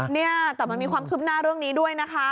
เนี่ยแต่มันมีความคืบหน้าเรื่องนี้ด้วยนะคะ